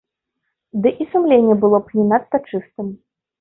Ды і сумленне было б не надта чыстым.